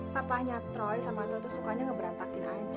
papanya troy sama atlet tuh sukanya ngeberantakin aja